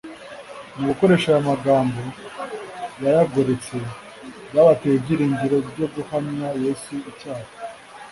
mu gukoresha aya magambo bayagoretse, byabateye ibyiringiro byo guhamya yesu icyaha